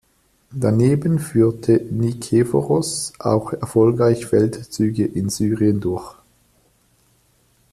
Daneben führte Nikephoros auch erfolgreich Feldzüge in Syrien durch.